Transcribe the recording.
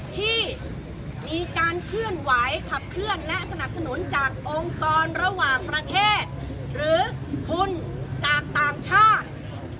ที่มีการเคลื่อนไหวขับเคลื่อนและสนับสนุนจากองค์กรระหว่างประเทศหรือทุนจากต่างชาติ